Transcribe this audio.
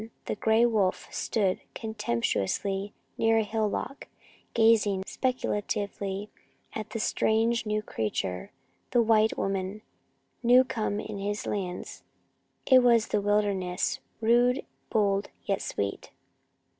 A great gray wolf stood contemptuously near on a hillock, gazing speculatively at the strange new creature, the white woman, new come in his lands. It was the wilderness, rude, bold, yet sweet.